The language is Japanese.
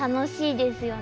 ですよね。